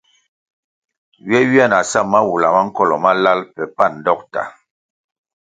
Ywe ywia na sa mawula ma nkolo malal pe pan dokta.